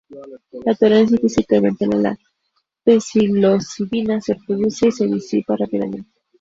La tolerancia física y mental a la psilocibina se produce y se disipa rápidamente.